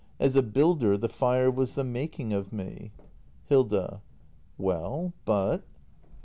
As a builder, the fire was the making of me Hilda. Well, but